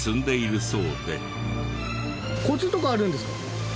コツとかあるんですか？